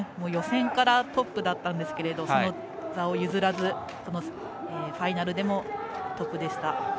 予選からトップだったんですがその座を譲らずファイナルでもトップでした。